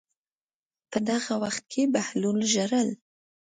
په دغه وخت کې بهلول ژړل.